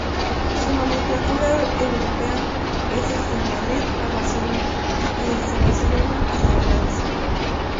Su nomenclatura europea es desde Madrid a Barcelona y desde Barcelona hasta Francia.